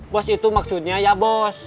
bos itu maksudnya ya bos